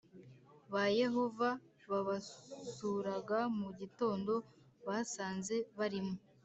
Ba yehova babasuraga mu gitondo basanze barimo